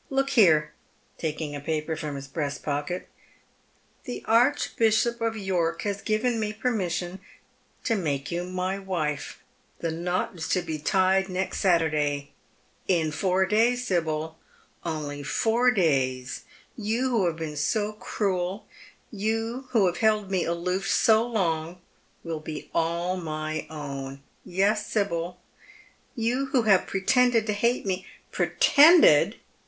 Look here," taking a paper fi om his breast pocket, '* the Archbishop of York has given me permission to make you my wife ; the knot is to be tied next Saturday ; in four days, Sibjd — only four days, you who have been so cruel, you who have held me aloof so long, will be all my own. Yes, Sibyl ; you who have pretended to hate me "" Pretended